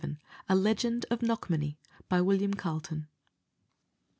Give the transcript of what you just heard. _] A LEGEND OF KNOCKMANY. WILLIAM CARLETON.